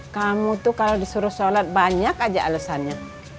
kamu tuh kalau disuruh sholat banyak aja alasannya